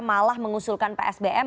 malah mengusulkan psbb